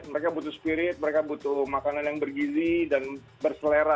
mereka butuh spirit mereka butuh makanan yang bergizi dan berselera